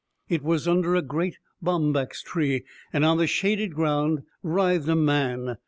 It was under a great bombax tree, and on the shaded ground writhed a man.